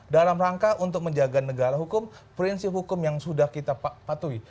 dalam rangka untuk menjaga negara hukum prinsip hukum yang sudah kita patuhi